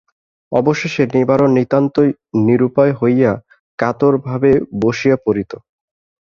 অবশেষে নিবারণ নিতান্তই নিরুপায় হইয়া কাতরভাবে বসিয়া পড়িত।